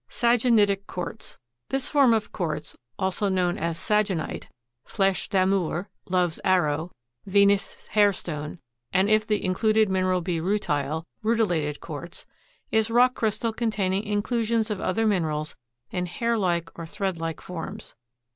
Sagenitic Quartz.—This form of quartz, also known as "sagenite," "fleche d'amour" (love's arrow), "Venus' hair stone," and, if the included mineral be rutile, "rutilated quartz," is rock crystal containing inclusions of other minerals in hair like or thread like forms.